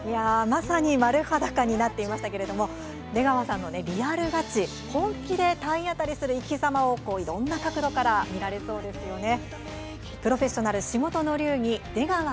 まさに丸裸になっていましたけれども出川さんのリアルガチ本気で体当たりする生きざまをいろんな角度から見られそうですよね。